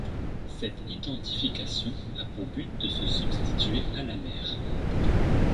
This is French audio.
Cette identification a pour but de se substituer à la mère.